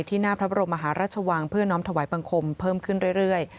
หน้าพระบรมมหาราชวังเพื่อน้อมถวายบังคมเพิ่มขึ้นเรื่อย